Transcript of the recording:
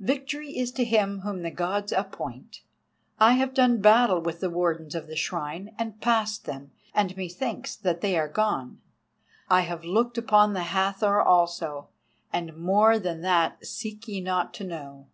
Victory is to him whom the Gods appoint. I have done battle with the wardens of the shrine, and passed them, and methinks that they are gone. I have looked upon the Hathor also, and more than that seek ye not to know.